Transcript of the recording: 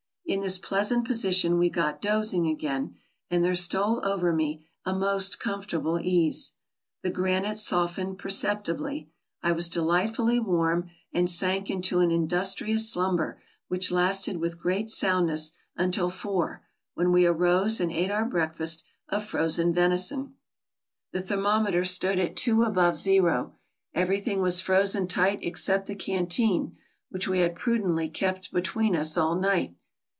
In this pleasant position we got dozing again, and there stole over me a most comfortable ease. The granite softened perceptibly. I was delightfully warm and sank into an industrious slumber which lasted with great 108 TRAVELERS AND EXPLORERS soundness until four, when we arose and ate our breakfast of frozen venison. The thermometer stood at two above zero; everything was frozen tight except the canteen, which we had prudently kept between us all night.